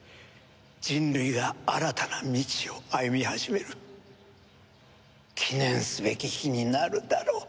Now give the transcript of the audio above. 人類が新たな道を歩み始める記念すべき日になるだろう。